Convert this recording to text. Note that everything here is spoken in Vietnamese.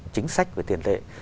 chính sách về tiền tệ